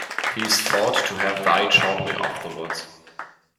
He is thought to have died shortly afterwards.